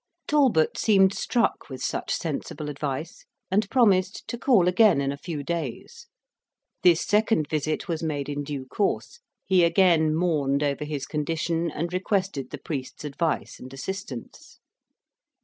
Talbot seemed struck with such sensible advice, and promised to call again in a few days. This second visit was made in due course; he again mourned over his condition, and requested the priest's advice and assistance.